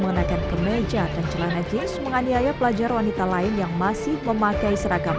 mengenakan kemeja dan celana jeans menganiaya pelajar wanita lain yang masih memakai seragam